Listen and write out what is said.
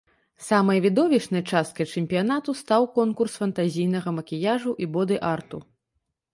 Самай відовішчнай часткай чэмпіянату стаў конкурс фантазійнага макіяжу і боды-арту.